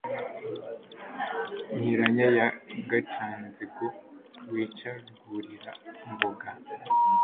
Nkiranya ya Gacanzigo Wica Rwurira-ngoga.